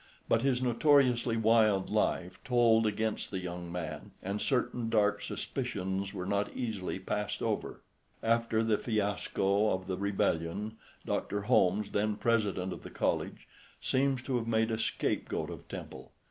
But his notoriously wild life told against the young man, and certain dark suspicions were not easily passed over. After the fiasco of the Rebellion Dr. Holmes, then President of the College, seems to have made a scapegoat of Temple.